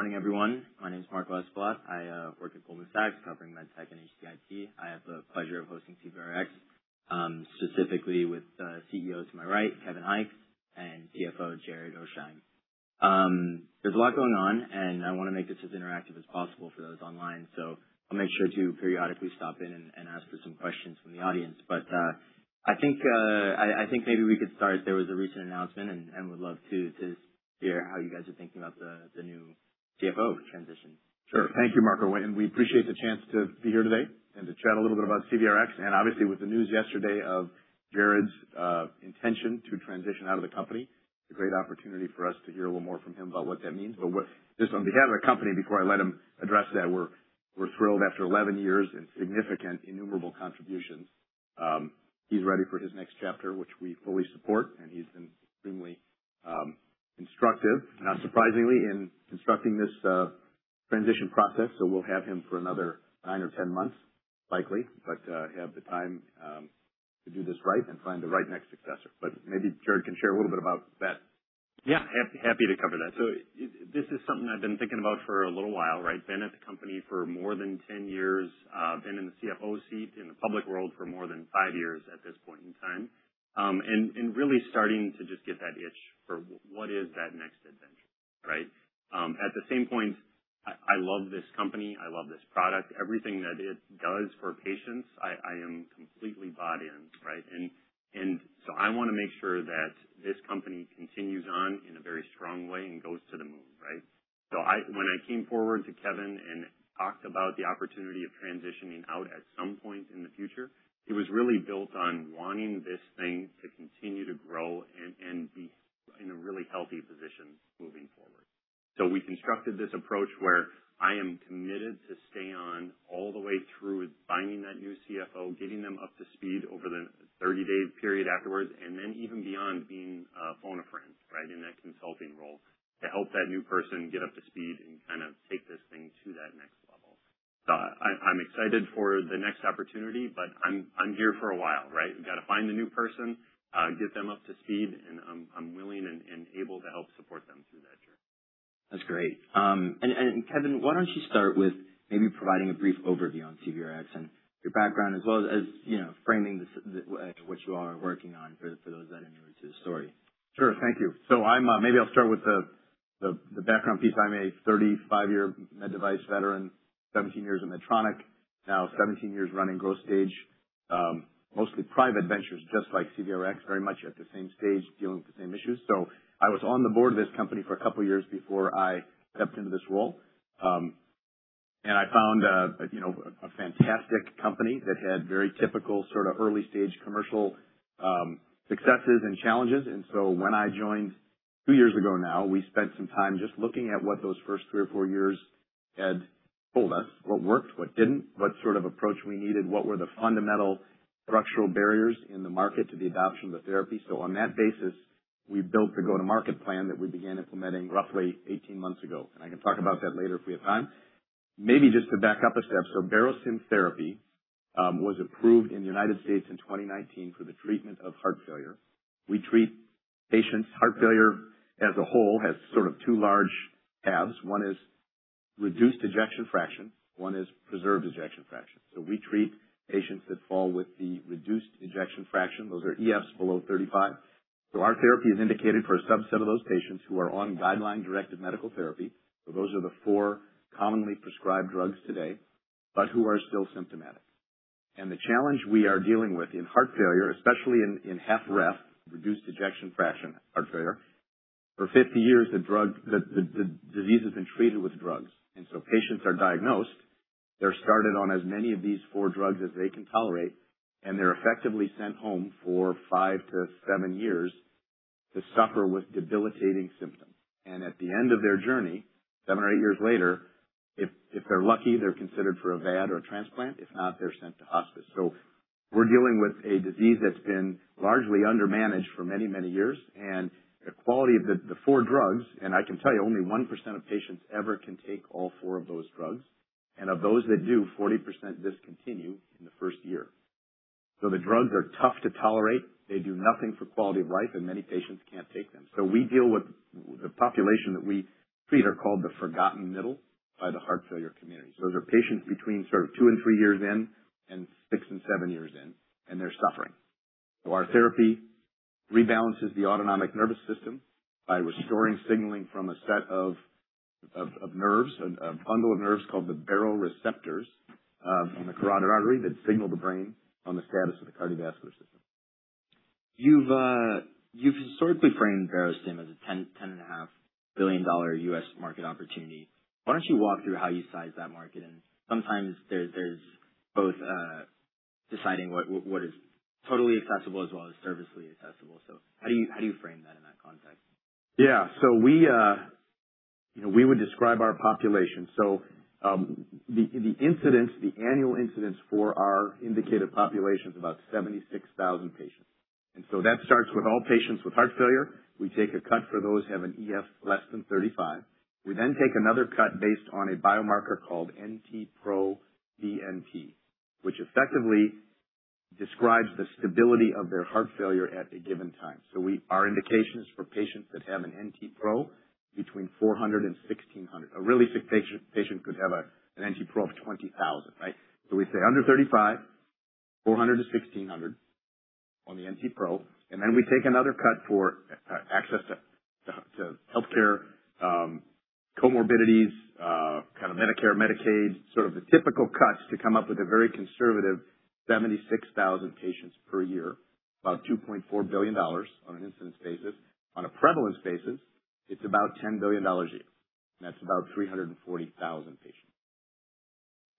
Good morning, everyone. My name is Mark Osbat. I work at Goldman Sachs covering MedTech and HCIT. I have the pleasure of hosting CVRx, specifically with the CEO to my right, Kevin Hykes, and CFO, Jared Oasheim. There's a lot going on, and I want to make this as interactive as possible for those online. I'll make sure to periodically stop in and ask for some questions from the audience. I think maybe we could start, there was a recent announcement and would love to hear how you guys are thinking about the new CFO transition. Sure. Thank you, Mark. We appreciate the chance to be here today and to chat a little bit about CVRx. Obviously with the news yesterday of Jared's intention to transition out of the company, it's a great opportunity for us to hear a little more from him about what that means. Just on behalf of the company, before I let him address that, we're thrilled after 11 years and significant innumerable contributions. He's ready for his next chapter, which we fully support, and he's been extremely instructive, not surprisingly, in constructing this transition process. We'll have him for another nine or 10 months, likely, but have the time to do this right and find the right next successor. Maybe Jared can share a little bit about that. Yeah, happy to cover that. This is something I've been thinking about for a little while, right? Been at the company for more than 10 years. Been in the CFO seat in the public world for more than five years at this point in time. Really starting to just get that itch for what is that next adventure, right? At the same point, I love this company. I love this product. Everything that it does for patients, I am completely bought in, right? I want to make sure that this company continues on in a very strong way and goes to the moon, right? When I came forward to Kevin and talked about the opportunity of transitioning out at some point in the future, it was really built on wanting this thing to continue to grow and be in a really healthy position moving forward. We constructed this approach where I am committed to stay on all the way through finding that new CFO, getting them up to speed over the 30-day period afterwards, and then even beyond being a phone a friend, right? In that consulting role to help that new person get up to speed and kind of take this thing to that next level. I'm excited for the next opportunity, but I'm here for a while, right? We've got to find the new person, get them up to speed, and I'm willing and able to help support them through that journey. That's great. Kevin, why don't you start with maybe providing a brief overview on CVRx and your background as well as framing what you all are working on for those that are newer to the story. Sure. Thank you. Maybe I'll start with the background piece. I'm a 35-year med device veteran, 17 years at Medtronic, now 17 years running growth stage, mostly private ventures, just like CVRx, very much at the same stage, dealing with the same issues. I was on the board of this company for a couple of years before I stepped into this role. I found a fantastic company that had very typical sort of early-stage commercial successes and challenges. When I joined two years ago now, we spent some time just looking at what those first three or four years had told us, what worked, what didn't, what sort of approach we needed, what were the fundamental structural barriers in the market to the adoption of the therapy. On that basis, we built the go-to-market plan that we began implementing roughly 18 months ago. I can talk about that later if we have time. Maybe just to back up a step. Barostim therapy was approved in the U.S. in 2019 for the treatment of heart failure. We treat patients. Heart failure as a whole has sort of two large halves. One is reduced ejection fraction, one is preserved ejection fraction. We treat patients that fall with the reduced ejection fraction. Those are EFs below 35. Our therapy is indicated for a subset of those patients who are on guideline-directed medical therapy. Those are the four commonly prescribed drugs today, but who are still symptomatic. The challenge we are dealing with in heart failure, especially in HFrEF, reduced ejection fraction heart failure, for 50 years, the disease has been treated with drugs. Patients are diagnosed, they're started on as many of these four drugs as they can tolerate, and they're effectively sent home for five to seven years to suffer with debilitating symptoms. At the end of their journey, seven or eight years later, if they're lucky, they're considered for a VAD or a transplant. If not, they're sent to hospice. We're dealing with a disease that's been largely undermanaged for many, many years. The quality of the four drugs, and I can tell you, only 1% of patients ever can take all four of those drugs. Of those that do, 40% discontinue in the first year. The drugs are tough to tolerate. They do nothing for quality of life, and many patients can't take them. We deal with the population that we treat are called the forgotten middle by the heart failure community. Those are patients between sort of two and three years in and six and seven years in, and they're suffering. Our therapy rebalances the autonomic nervous system by restoring signaling from a set of nerves, a bundle of nerves called the baroreceptors on the carotid artery that signal the brain on the status of the cardiovascular system. You've historically framed Barostim as a $10.5 billion U.S. market opportunity. Why don't you walk through how you size that market? Sometimes there's both deciding what is totally accessible as well as serviceably accessible. How do you frame that in that context? We would describe our population. The annual incidence for our indicated population is about 76,000 patients. That starts with all patients with heart failure. We take a cut for those who have an EF less than 35. We then take another cut based on a biomarker called NT-proBNP, which effectively describes the stability of their heart failure at a given time. Our indication is for patients that have an NT-proBNP between 400 and 1,600. A really sick patient could have an NT-proBNP of 20,000. We say under 35, 400-1,600 on the NT-proBNP, and then we take another cut for access to healthcare comorbidities, kind of Medicare, Medicaid, sort of the typical cuts to come up with a very conservative 76,000 patients per year, about $2.4 billion on an incidence basis. On a prevalence basis, it's about $10 billion a year, that's about 340,000 patients.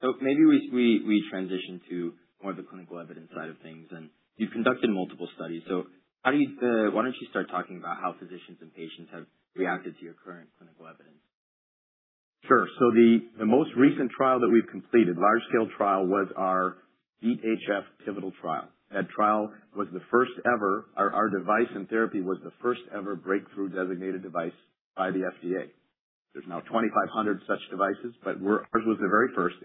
Maybe we transition to more of the clinical evidence side of things. You've conducted multiple studies, why don't you start talking about how physicians and patients have reacted to your current clinical evidence? Sure. The most recent trial that we've completed, large-scale trial, was our BeAT-HF pivotal trial. Our device and therapy was the first ever breakthrough designated device by the FDA. There's now 2,500 such devices, but ours was the very first.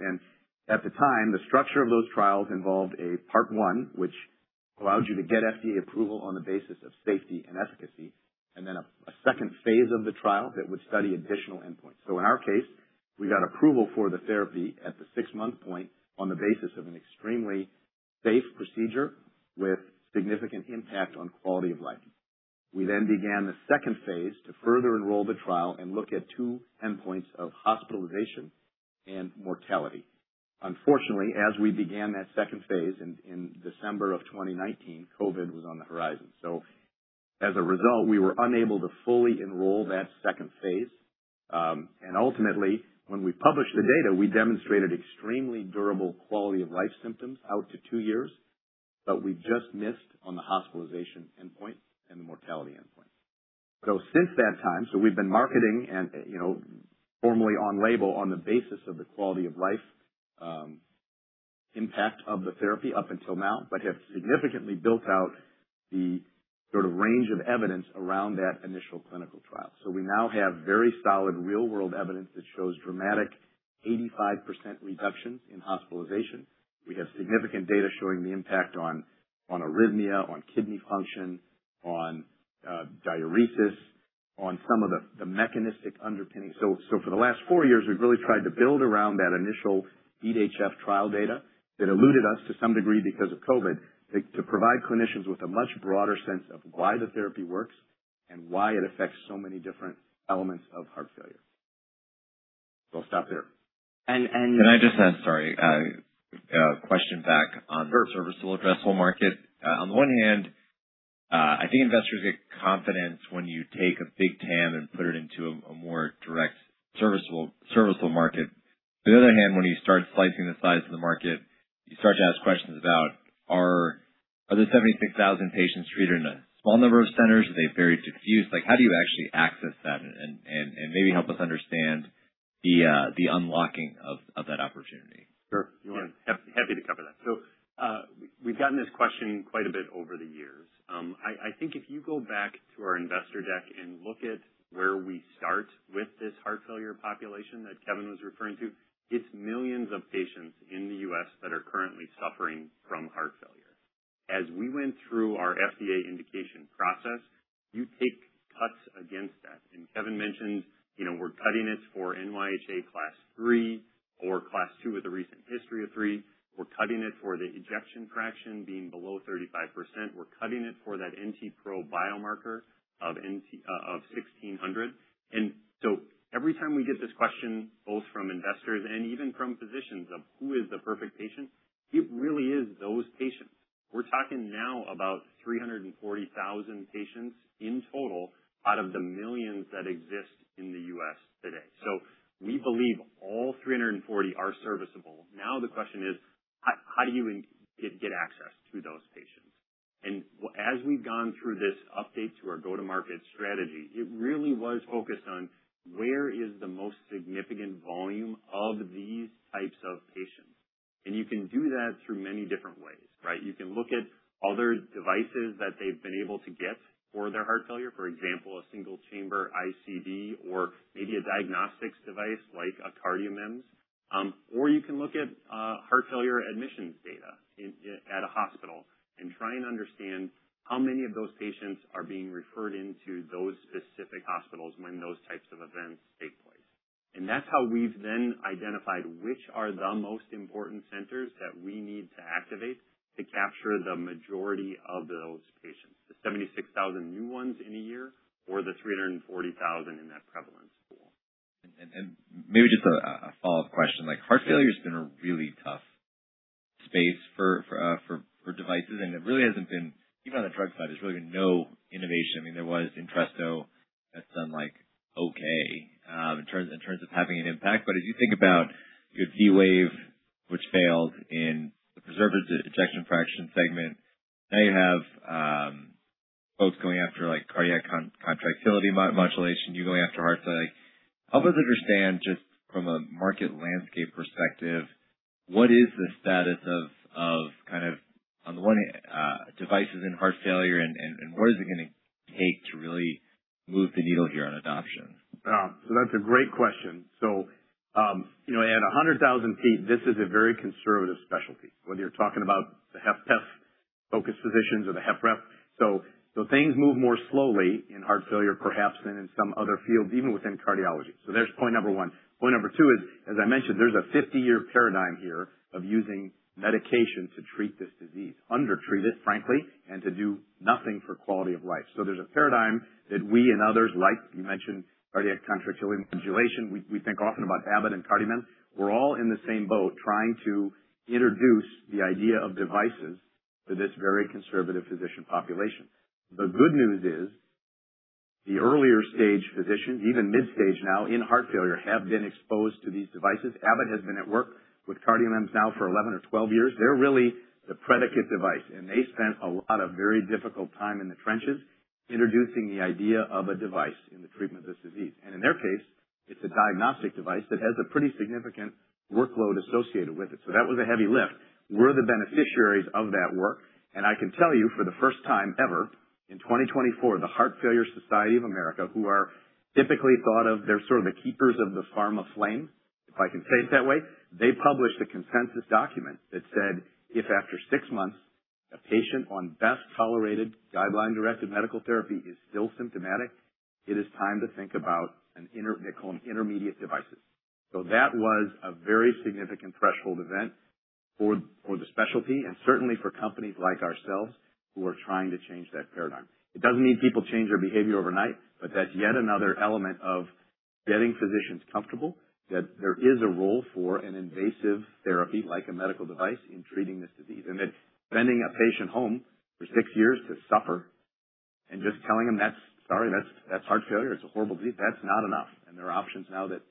At the time, the structure of those trials involved a part one, which allowed you to get FDA approval on the basis of safety and efficacy, then a second phase of the trial that would study additional endpoints. In our case, we got approval for the therapy at the six-month point on the basis of an extremely safe procedure with significant impact on quality of life. We then began the second phase to further enroll the trial and look at two endpoints of hospitalization and mortality. Unfortunately, as we began that second phase in December of 2019, COVID was on the horizon. As a result, we were unable to fully enroll that second phase. Ultimately, when we published the data, we demonstrated extremely durable quality-of-life symptoms out to two years, but we just missed on the hospitalization endpoint and the mortality endpoint. Since that time, we've been marketing and formally on label on the basis of the quality-of-life impact of the therapy up until now, but have significantly built out the sort of range of evidence around that initial clinical trial. We now have very solid real-world evidence that shows dramatic 85% reductions in hospitalization. We have significant data showing the impact on arrhythmia, on kidney function, on diuresis, on some of the mechanistic underpinning. For the last four years, we've really tried to build around that initial BeAT-HF trial data that eluded us to some degree because of COVID, to provide clinicians with a much broader sense of why the therapy works and why it affects so many different elements of heart failure. I'll stop there. And. Can I just add, sorry, a question back on? Sure. Serviceable addressable market. On the one hand, I think investors get confidence when you take a big TAM and put it into a more direct serviceable market. On the other hand, when you start slicing the size of the market, you start to ask questions about, are the 76,000 patients treated in a small number of centers? Are they very diffuse? How do you actually access that? Maybe help us understand the unlocking of that opportunity. Sure. Yeah. Happy to cover that. We've gotten this question quite a bit over the years. I think if you go back to our investor deck and look at where we start with this heart failure population that Kevin was referring to, it's millions of patients in the U.S. that are currently suffering from heart failure. As we went through our FDA indication process, you take cuts against that. Kevin mentioned, we're cutting it for NYHA Class III or Class 2 with a recent history of three. We're cutting it for the ejection fraction being below 35%. We're cutting it for that NT-proBNP biomarker of 1,600. Every time we get this question, both from investors and even from physicians, of who is the perfect patient, it really is those patients. We're talking now about 340,000 patients in total out of the millions that exist in the U.S. today. We believe all 340,000 are serviceable. Now, the question is, how do you get access to those patients? As we've gone through this update to our go-to-market strategy, it really was focused on where is the most significant volume of these types of patients. You can do that through many different ways, right? You can look at other devices that they've been able to get for their heart failure, for example, a single-chamber ICD or maybe a diagnostics device like a CardioMEMS. You can look at heart failure admissions data at a hospital and try and understand how many of those patients are being referred into those specific hospitals when those types of events take place. That's how we've then identified which are the most important centers that we need to activate to capture the majority of those patients, the 76,000 new ones in a year or the 340,000 in that prevalence pool. Maybe just a follow-up question. Heart failure has been a really tough space for devices, and it really hasn't been, even on the drug side, there's really been no innovation. There was Entresto. That's done okay in terms of having an impact. As you think about you have V-Wave, which failed in the preserved ejection fraction segment. Now you have folks going after cardiac contractility modulation. You going after heart failure. Help us understand, just from a market landscape perspective, what is the status of, on the one hand, devices in heart failure and where is it going to? Take to really move the needle here on adoption? That's a great question. At 100,000 feet, this is a very conservative specialty, whether you're talking about the HFpEF-focused physicians or the HFrEF. Things move more slowly in heart failure, perhaps than in some other fields, even within cardiology. There's point number one. Point number two is, as I mentioned, there's a 50-year paradigm here of using medication to treat this disease, undertreat it, frankly, and to do nothing for quality of life. There's a paradigm that we and others like, you mentioned cardiac contractility modulation. We think often about Abbott and CardioMEMS. We're all in the same boat trying to introduce the idea of devices to this very conservative physician population. The good news is the earlier stage physicians, even mid-stage now in heart failure, have been exposed to these devices. Abbott has been at work with CardioMEMS now for 11 or 12 years. They're really the predicate device, and they spent a lot of very difficult time in the trenches introducing the idea of a device in the treatment of this disease. In their case, it's a diagnostic device that has a pretty significant workload associated with it. That was a heavy lift. We're the beneficiaries of that work, and I can tell you for the first time ever, in 2024, the Heart Failure Society of America, who are typically thought of, they're sort of the keepers of the pharma flame, if I can say it that way. They published a consensus document that said, if after six months a patient on best tolerated guideline-directed medical therapy is still symptomatic, it is time to think about end and intermediate devices. That was a very significant threshold event for the specialty and certainly for companies like ourselves who are trying to change that paradigm. It doesn't mean people change their behavior overnight, that's yet another element of getting physicians comfortable that there is a role for an invasive therapy like a medical device in treating this disease, and that sending a patient home for six years to suffer and just telling them, "Sorry, that's heart failure. It's a horrible disease." That's not enough. There are options now that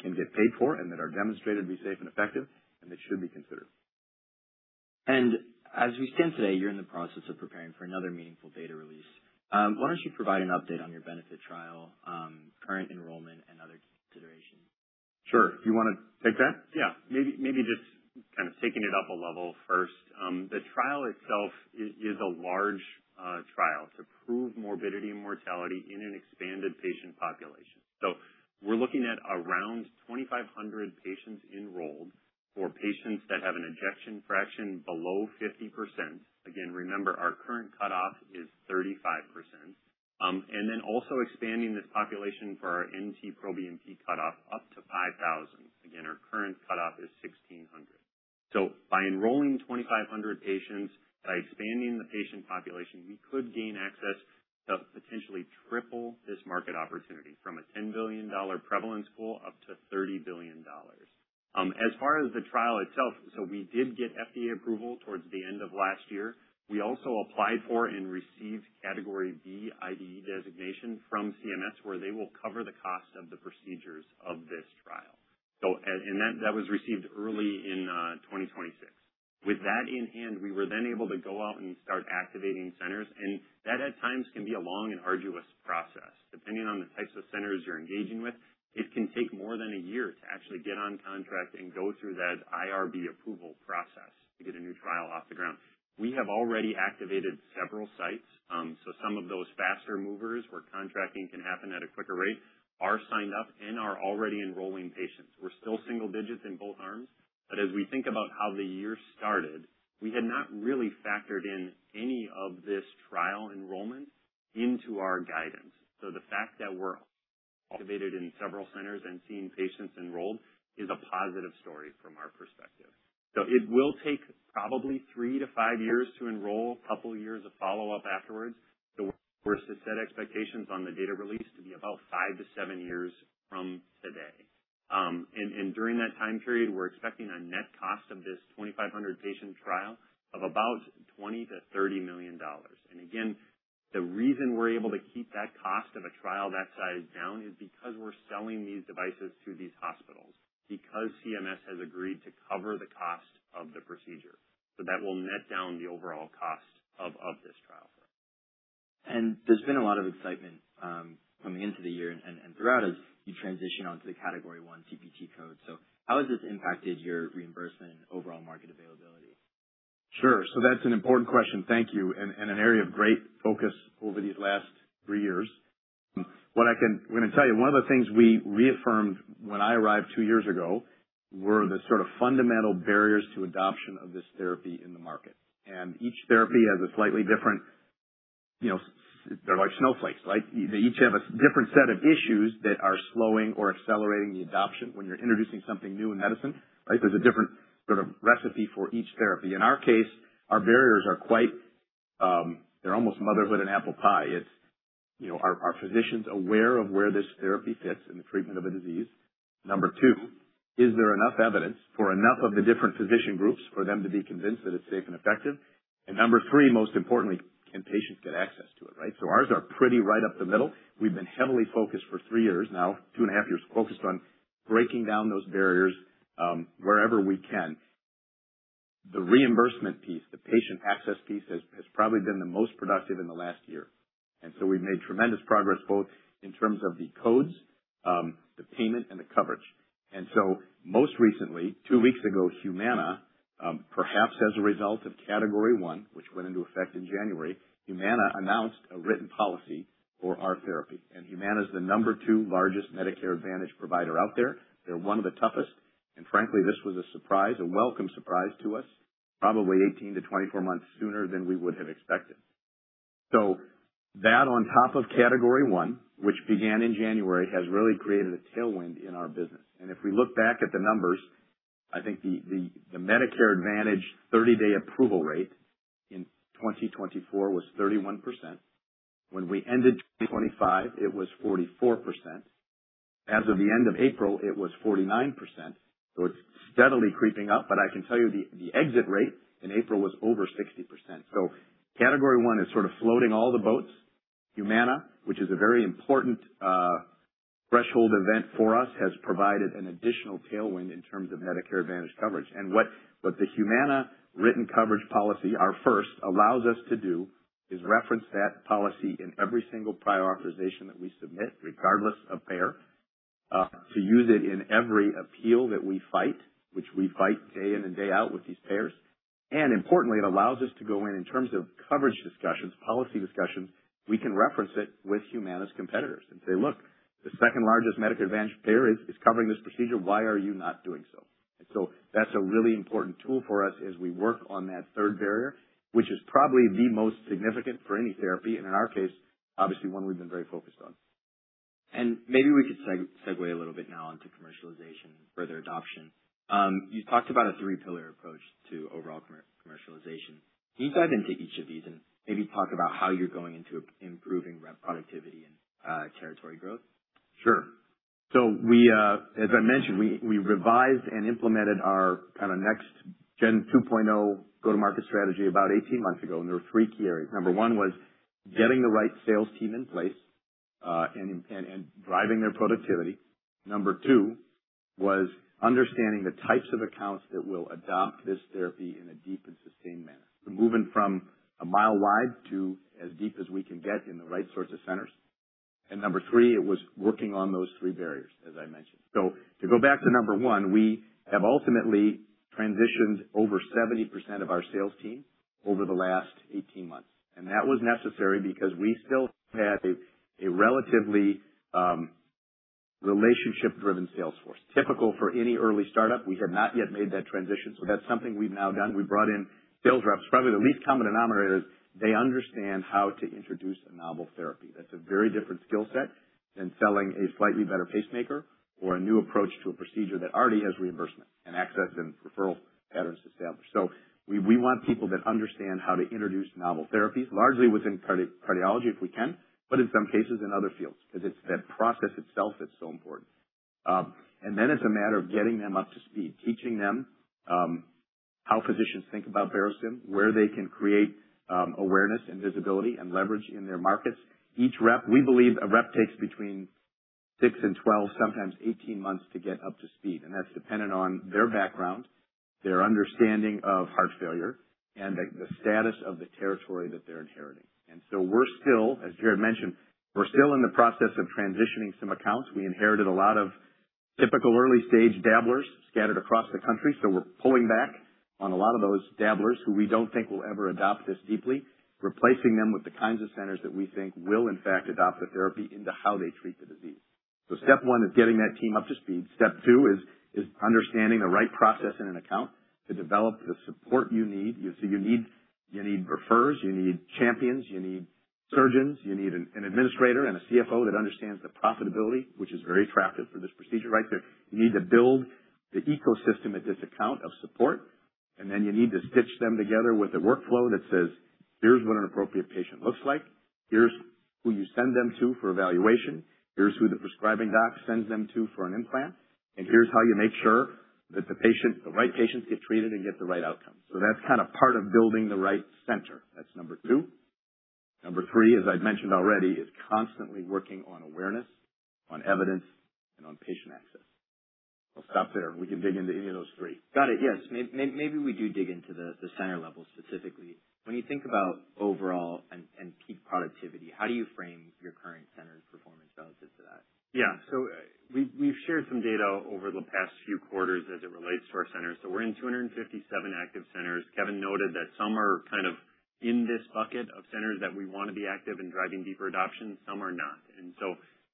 can get paid for and that are demonstrated to be safe and effective and that should be considered. As we stand today, you're in the process of preparing for another meaningful data release. Why don't you provide an update on your BENEFIT-HF trial, current enrollment, and other considerations? Sure. Do you want to take that? Yeah. Maybe just kind of taking it up a level first. The trial itself is a large trial to prove morbidity and mortality in an expanded patient population. We're looking at around 2,500 patients enrolled for patients that have an ejection fraction below 50%. Again, remember, our current cutoff is 35%. Also expanding this population for our NT-proBNP cutoff up to 5,000. Again, our current cutoff is 1,600. By enrolling 2,500 patients, by expanding the patient population, we could gain access to potentially triple this market opportunity from a $10 billion prevalence pool up to $30 billion. As far as the trial itself, we did get FDA approval towards the end of last year. We also applied for and received Category B IDE designation from CMS, where they will cover the cost of the procedures of this trial. That was received early in 2026. With that in hand, we were able to go out and start activating centers. That, at times, can be a long and arduous process. Depending on the types of centers you're engaging with, it can take more than a year to actually get on contract and go through that IRB approval process to get a new trial off the ground. We have already activated several sites, some of those faster movers where contracting can happen at a quicker rate are signed up and are already enrolling patients. We're still single digits in both arms. As we think about how the year started, we had not really factored in any of this trial enrollment into our guidance. The fact that we're activated in several centers and seeing patients enrolled is a positive story from our perspective. It will take probably 3-5 years to enroll, a couple of years of follow-up afterwards. We're set expectations on the data release to be about 5-7 years from today. During that time period, we're expecting a net cost of this 2,500 patient trial of about $20 million-$30 million. Again, the reason we're able to keep that cost of a trial that size down is because we're selling these devices to these hospitals because CMS has agreed to cover the cost of the procedure. That will net down the overall cost of this trial. There's been a lot of excitement coming into the year and throughout as you transition onto the Category I CPT code. How has this impacted your reimbursement and overall market availability? Sure. That's an important question, thank you, and an area of great focus over these last 3 years. What I can tell you, one of the things we reaffirmed when I arrived 2 years ago were the sort of fundamental barriers to adoption of this therapy in the market. Each therapy has a slightly different. They're like snowflakes, right? They each have a different set of issues that are slowing or accelerating the adoption when you're introducing something new in medicine. There's a different sort of recipe for each therapy. In our case, our barriers are quite. They're almost motherhood and apple pie. Are physicians aware of where this therapy fits in the treatment of a disease? Number 2, is there enough evidence for enough of the different physician groups for them to be convinced that it's safe and effective? Number 3, most importantly, can patients get access to it, right? Ours are pretty right up the middle. We've been heavily focused for 3 years now, 2 and a half years focused on breaking down those barriers wherever we can. The reimbursement piece, the patient access piece, has probably been the most productive in the last year. We've made tremendous progress both in terms of the codes, the payment and the coverage. Most recently, 2 weeks ago, Humana, perhaps as a result of Category I, which went into effect in January, Humana announced a written policy for our therapy. Humana is the Number 2 largest Medicare Advantage provider out there. They're one of the toughest, and frankly, this was a surprise, a welcome surprise to us, probably 18-24 months sooner than we would have expected. That on top of Category I, which began in January, has really created a tailwind in our business. If we look back at the numbers, I think the Medicare Advantage 30-day approval rate in 2024 was 31%. When we ended 2025, it was 44%. As of the end of April, it was 49%. It's steadily creeping up. I can tell you the exit rate in April was over 60%. Category I is sort of floating all the boats. Humana, which is a very important threshold event for us, has provided an additional tailwind in terms of Medicare Advantage coverage. What the Humana written coverage policy, our first, allows us to do is reference that policy in every single prior authorization that we submit, regardless of payer, to use it in every appeal that we fight, which we fight day in and day out with these payers. Importantly, it allows us to go in terms of coverage discussions, policy discussions, we can reference it with Humana's competitors and say, "Look, the second-largest Medicare Advantage payer is covering this procedure. Why are you not doing so?" That's a really important tool for us as we work on that third barrier, which is probably the most significant for any therapy, and in our case, obviously one we've been very focused on. Maybe we could segue a little bit now into commercialization and further adoption. You talked about a three-pillar approach to overall commercialization. Can you dive into each of these and maybe talk about how you're going into improving rep productivity and territory growth? Sure. As I mentioned, we revised and implemented our next-gen 2.0 go-to-market strategy about 18 months ago, and there were three key areas. Number 1, was getting the right sales team in place, and driving their productivity. Number 2, was understanding the types of accounts that will adopt this therapy in a deep and sustained manner. Moving from a mile wide to as deep as we can get in the right sorts of centers. Number 3, it was working on those three barriers, as I mentioned. To go back to Number 1, we have ultimately transitioned over 70% of our sales team over the last 18 months, and that was necessary because we still had a relatively relationship-driven sales force. Typical for any early startup, we have not yet made that transition, so that's something we've now done. We brought in sales reps. Probably the least common denominator is they understand how to introduce a novel therapy. That's a very different skill set than selling a slightly better pacemaker or a new approach to a procedure that already has reimbursement and access and referral patterns established. We want people that understand how to introduce novel therapies, largely within cardiology, if we can, but in some cases, in other fields. Because it's that process itself that's so important. Then it's a matter of getting them up to speed, teaching them how physicians think about Barostim, where they can create awareness and visibility and leverage in their markets. Each rep, we believe a rep takes between six and 12, sometimes 18 months to get up to speed. That's dependent on their background, their understanding of heart failure, and the status of the territory that they're inheriting. We're still, as Jared Oasheim mentioned, we're still in the process of transitioning some accounts. We inherited a lot of typical early-stage dabblers scattered across the country. We're pulling back on a lot of those dabblers who we don't think will ever adopt this deeply, replacing them with the kinds of centers that we think will in fact adopt the therapy into how they treat the disease. Step one is getting that team up to speed. Step two is understanding the right process in an account to develop the support you need. You need referrers, you need champions, you need surgeons, you need an administrator and a CFO that understands the profitability, which is very attractive for this procedure right there. You need to build the ecosystem at this account of support, then you need to stitch them together with a workflow that says, "Here's what an appropriate patient looks like. Here's who you send them to for evaluation. Here's who the prescribing doc sends them to for an implant. Here's how you make sure that the right patients get treated and get the right outcome." That's part of building the right center. That's number two. Number three, as I've mentioned already, is constantly working on awareness, on evidence, and on patient access. I'll stop there, and we can dig into any of those three. Got it. Yes. Maybe we do dig into the center levels specifically. When you think about overall and peak productivity, how do you frame your current center's performance relative to that? Yeah. We've shared some data over the past few quarters as it relates to our centers. We're in 257 active centers. Kevin noted that some are kind of in this bucket of centers that we want to be active in driving deeper adoption, some are not.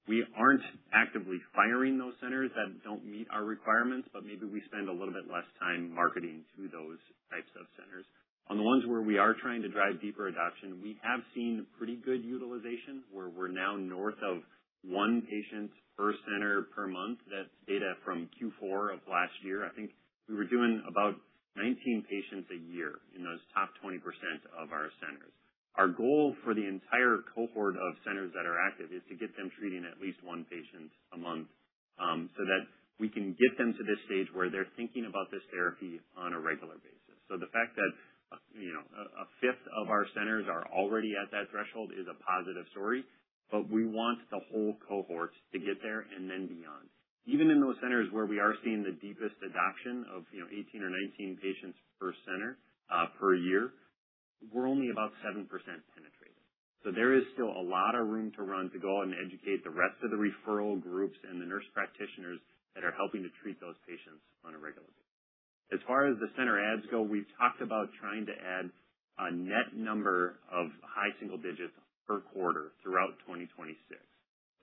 We aren't actively firing those centers that don't meet our requirements, but maybe we spend a little bit less time marketing to those types of centers. On the ones where we are trying to drive deeper adoption, we have seen pretty good utilization, where we're now north of one patient per center per month. That's data from Q4 of last year. I think we were doing about 19 patients a year in those top 20% of our centers. Our goal for the entire cohort of centers that are active is to get them treating at least one patient a month, [so] that we can get them to the stage where they're thinking about this therapy on a regular basis. The fact that a fifth of our centers are already at that threshold is a positive story, we want the whole cohort to get there. Even in those centers where we are seeing the deepest adoption of 18 or 19 patients per center per year, we're only about 7% penetrated. There is still a lot of room to run to go out and educate the rest of the referral groups and the nurse practitioners that are helping to treat those patients on a regular basis. As far as the center adds go, we've talked about trying to add a net number of high single digits per quarter throughout 2026.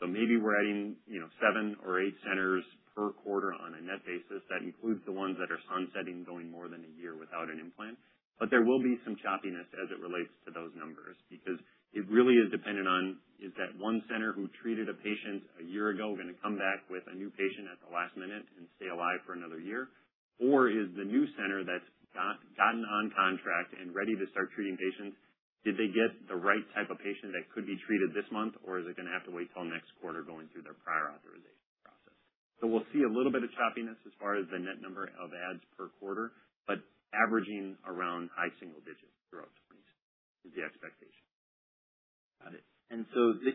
Maybe we're adding seven or eight centers per quarter on a net basis. That includes the ones that are sunsetting, going more than a year without an implant. [But] there will be some choppiness as it relates to those numbers, because it really is dependent on, is that one center who treated a patient a year ago going to come back with a new patient at the last minute and stay alive for another year? Or is the new center that's gotten on contract and ready to start treating patients, did they get the right type of patient that could be treated this month? Or is it going to have to wait till next quarter going through their prior authorization process? We'll see a little bit of choppiness as far as the net number of adds per quarter, averaging around high single digits throughout is the expectation. Got it.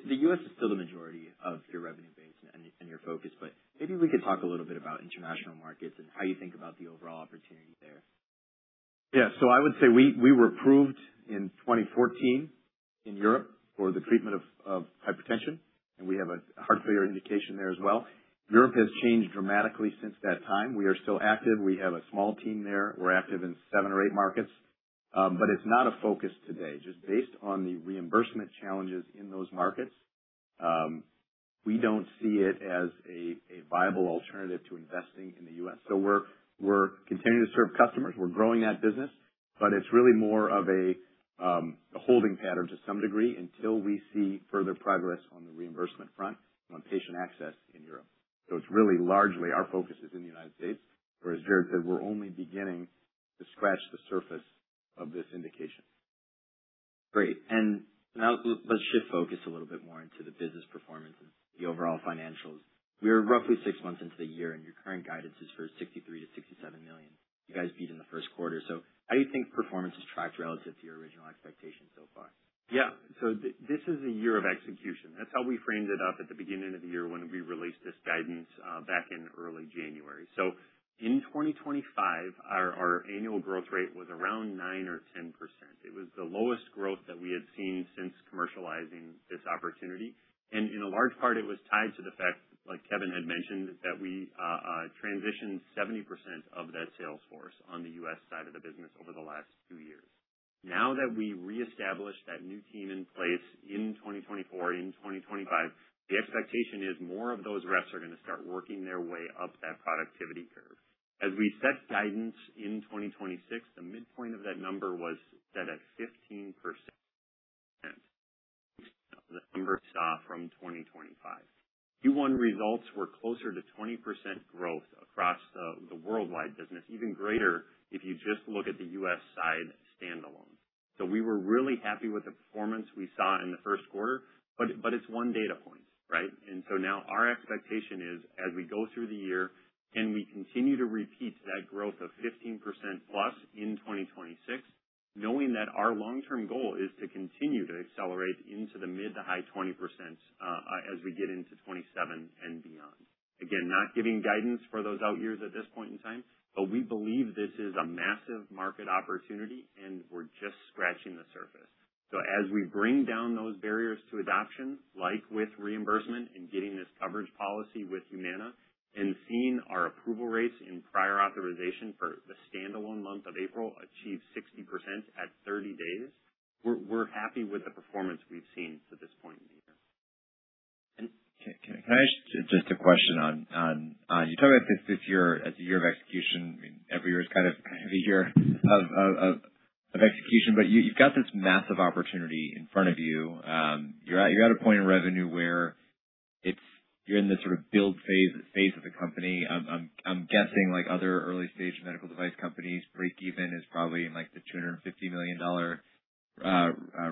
The U.S. is still the majority of your revenue base and your focus, maybe we could talk a little bit about international markets and how you think about the overall opportunity there. I would say we were approved in 2014 in Europe for the treatment of hypertension, and we have a heart failure indication there as well. Europe has changed dramatically since that time. We are still active. We have a small team there. We are active in seven or eight markets. But it is not a focus today, just based on the reimbursement challenges in those markets. We do not see it as a viable alternative to investing in the U.S. We are continuing to serve customers. We are growing that business, but it is really more of a holding pattern to some degree until we see further progress on the reimbursement front on patient access in Europe. It is really largely our focus is in the United States, where, as Jared said, we are only beginning to scratch the surface of this indication. Great. Now let us shift focus a little bit more into the business performance and the overall financials. We are roughly six months into the year, and your current guidance is for $63 million-$67 million. You guys beat in the first quarter. How do you think performance has tracked relative to your original expectations so far? This is a year of execution. That is how we framed it up at the beginning of the year when we released this guidance back in early January. In 2025, our annual growth rate was around 9% or 10%. It was the lowest growth that we had seen since commercializing this opportunity. In a large part, it was tied to the fact, like Kevin had mentioned, that we transitioned 70% of that sales force on the U.S. side of the business over the last two years. Now that we reestablished that new team in place in 2024, in 2025, the expectation is more of those reps are going to start working their way up that productivity curve. As we set guidance in 2026, the midpoint of that number was set at 15% the number saw from 2025. Q1 results were closer to 20% growth across the worldwide business. Even greater if you just look at the U.S. side standalone. We were really happy with the performance we saw in the first quarter, but it is one data point, right? Now our expectation is as we go through the year and we continue to repeat that growth of 15%+ in 2026, knowing that our long-term goal is to continue to accelerate into the mid to high 20% as we get into 2027 and beyond. Again, not giving guidance for those out years at this point in time, but we believe this is a massive market opportunity, and we are just scratching the surface. As we bring down those barriers to adoption, like with reimbursement and getting this coverage policy with Humana and seeing our approval rates and prior authorization for the standalone month of April achieve 60% at 30 days, we're happy with the performance we've seen to this point in the year. And. Can I ask just a question on you're talking about this year as a year of execution? I mean, every year is kind of the year of execution. You've got this massive opportunity in front of you. You're at a point in revenue where you're in the sort of build phase of the company. I'm guessing like other early-stage medical device companies, breakeven is probably in the $250 million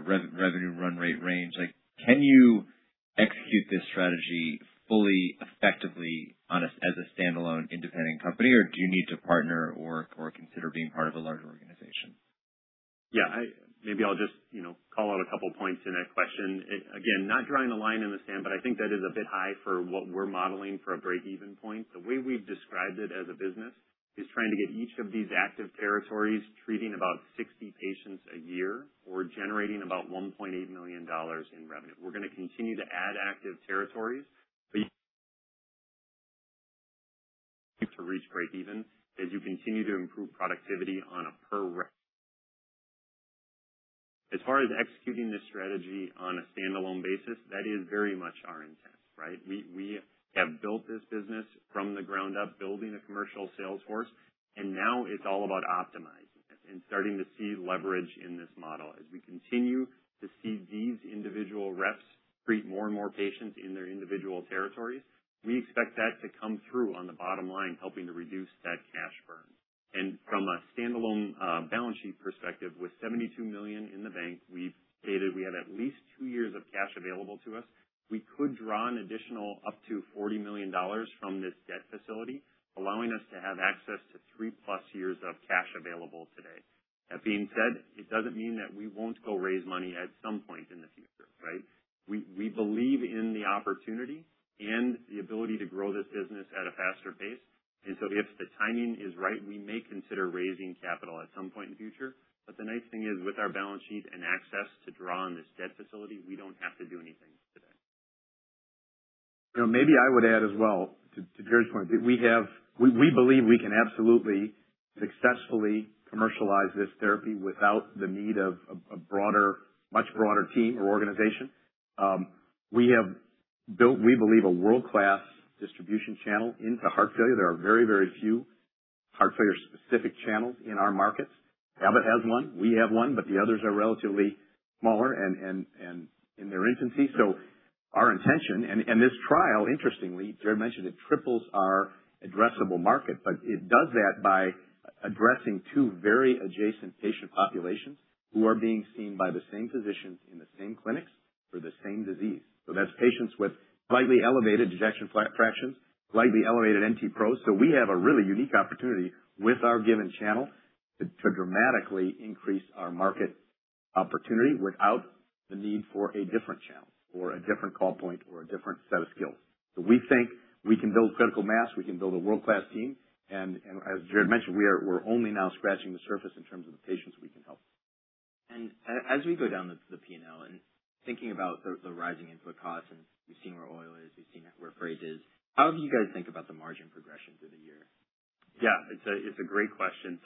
revenue run rate range. Can you execute this strategy fully effectively as a standalone independent company, or do you need to partner or consider being part of a larger organization? Yeah. Maybe I'll just call out a couple of points in that question. Again, not drawing a line in the sand, I think that is a bit high for what we're modeling for a breakeven point. The way we've described it as a business is trying to get each of these active territories treating about 60 patients a year or generating about $1.8 million in revenue. We're going to continue to add active territories, but to reach breakeven as you continue to improve productivity on a per rep. As far as executing this strategy on a standalone basis, that is very much our intent, right? We have built this business from the ground up, building a commercial sales force, and now it's all about optimizing it and starting to see leverage in this model. As we continue to see these individual reps treat more and more patients in their individual territories, we expect that to come through on the bottom line, helping to reduce that cash burn. From a standalone balance sheet perspective, with $72 million in the bank, we've stated we have at least two years of cash available to us. We could draw an additional up to $40 million from this debt facility, allowing us to have access to three-plus years of cash available today. That being said, it doesn't mean that we won't go raise money at some point in the future. Right. We believe in the opportunity and the ability to grow this business at a faster pace. If the timing is right, we may consider raising capital at some point in the future. The nice thing is, with our balance sheet and access to draw on this debt facility, we don't have to do anything today. You know, maybe I would add as well, to Jared's point, that we believe we can absolutely successfully commercialize this therapy without the need of a much broader team or organization. We have built, we believe, a world-class distribution channel into heart failure. There are very few heart failure-specific channels in our markets. Abbott has one, we have one, but the others are relatively smaller and in their infancy. Our intention. This trial, interestingly, Jared mentioned it triples our addressable market, but it does that by addressing two very adjacent patient populations who are being seen by the same physicians in the same clinics for the same disease. That's patients with slightly elevated ejection fractions, slightly elevated NT-proBNP. We have a really unique opportunity with our given channel to dramatically increase our market opportunity without the need for a different channel or a different call point or a different set of skills. We think we can build critical mass, we can build a world-class team, and as Jared mentioned, we're only now scratching the surface in terms of the patients we can help. As we go down the P&L and thinking about the rising input costs, and we've seen where oil is, we've seen where freight is. How do you guys think about the margin progression through the year? Yeah, it's a great question.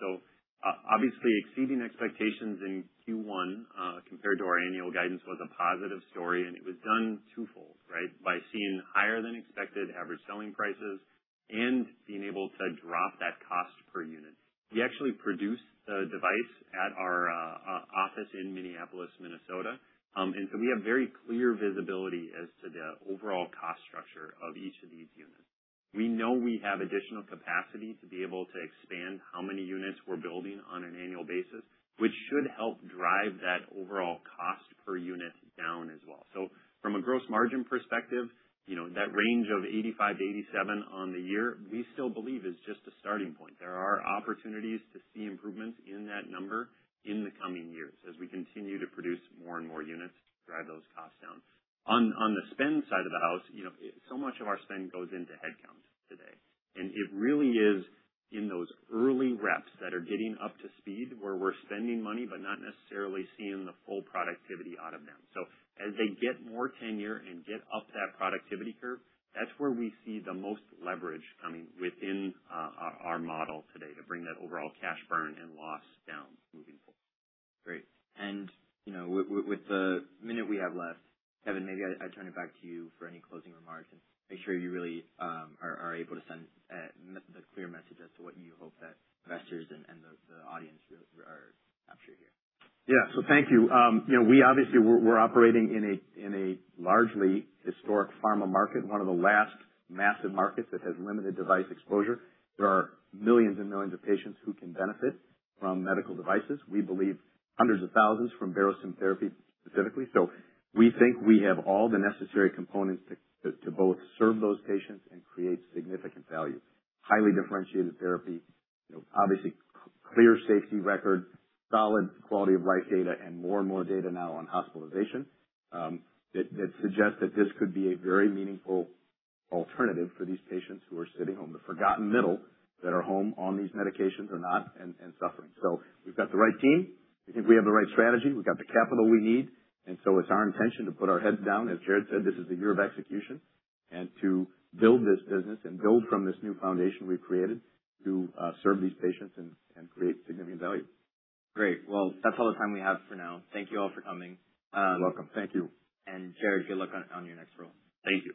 Obviously exceeding expectations in Q1 compared to our annual guidance was a positive story, and it was done twofold, right? By seeing higher than expected average selling prices and being able to drop that cost per unit. We actually produce the device at our office in Minneapolis, Minnesota. We have very clear visibility as to the overall cost structure of each of these units. We know we have additional capacity to be able to expand how many units we're building on an annual basis, which should help drive that overall cost per unit down as well. From a gross margin perspective, that range of 85%-87% on the year, we still believe is just a starting point. There are opportunities to see improvements in that number in the coming years as we continue to produce more and more units to drive those costs down. On the spend side of the house, so much of our spend goes into headcount today, and it really is in those early reps that are getting up to speed, where we're spending money, but not necessarily seeing the full productivity out of them. As they get more tenure and get up that productivity curve, that's where we see the most leverage coming within our model today to bring that overall cash burn and loss down moving forward. Great. With the minute we have left, Kevin, maybe I turn it back to you for any closing remarks and make sure you really are able to send the clear message as to what you hope that investors and the audience really are capturing here. Yeah. Thank you. We obviously, we're operating in a largely historic pharma market, one of the last massive markets that has limited device exposure. There are millions and millions of patients who can benefit from medical devices. We believe hundreds of thousands from Barostim therapy specifically. We think we have all the necessary components to both serve those patients and create significant value. Highly differentiated therapy, obviously clear safety record, solid quality-of-life data, and more and more data now on hospitalization that suggests that this could be a very meaningful alternative for these patients who are sitting home, the forgotten middle, that are home on these medications or not, and suffering. We've got the right team. We think we have the right strategy. We've got the capital we need. It's our intention to put our heads down. As Jared said, this is the year of execution and to build this business and build from this new foundation we've created to serve these patients and create significant value. Great. Well, that's all the time we have for now. Thank you all for coming. You're welcome. Thank you. Jared, good luck on your next role. Thank you.